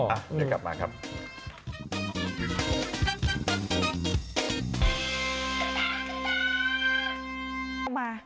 อ่ะเดี๋ยวกลับมาครับ